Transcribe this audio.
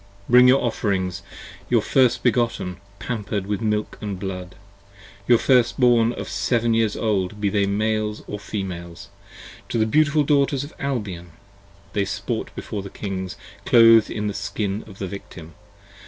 30 Bring your Offerings, your first begotten, pamper'd with milk & blood: Your first born of seven years old, be they Males or Females, To the beautiful Daughters of Albion! they sport before the Kings Clothed in the skin of the Victim